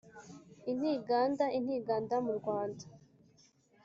Intiganda, intiganda, mu Rwanda